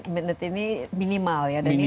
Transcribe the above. menit ini minimal ya minimal